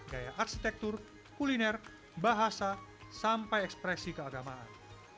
gaya arsitektur kuliner bahasa sampai ekspresi keagamaan